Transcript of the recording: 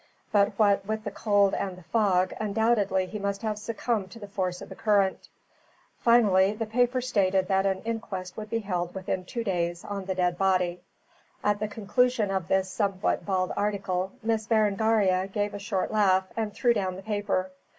But what, with the cold and the fog, undoubtedly he must have succumbed to the force of the current." Finally the paper stated that an inquest would be held within two days on the dead body. At the conclusion of this somewhat bald article, Miss Berengaria gave a short laugh and threw down the paper.